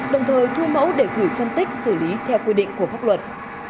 đồng thời thu mẫu để thử phân tích xử lý theo quy định của pháp luật